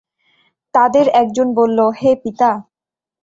তাদের একজন বলল, হে পিতা!